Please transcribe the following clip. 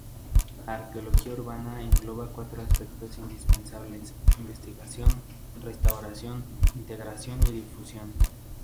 La Arqueología urbana engloba cuatro aspectos indispensables: investigación, restauración, integración y difusión.